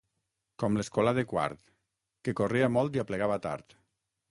Com l'escolà de Quart, que corria molt i aplegava tard.